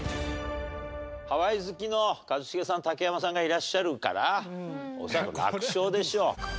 ハワイ好きの一茂さん竹山さんがいらっしゃるから恐らく楽勝でしょう。